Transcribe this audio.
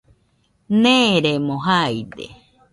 Neeremo jaide.